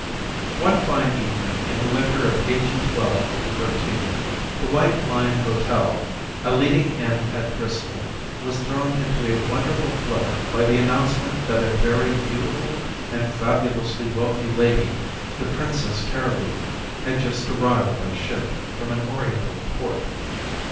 One fine evening in the winter of 1812 13, the White Lion hotel, a leading inn at Bristol, was thrown into a wonderful flutter by the announcement that a very beautiful and fabulously wealthy lady, the Princess Cariboo, had just arrived by ship from an oriental port.